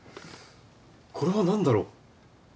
これはなんだろう？